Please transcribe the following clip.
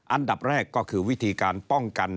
อันดับแรกก็คือวิธีการป้องกัน